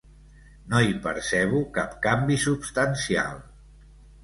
No hi percebo cap canvi substancial.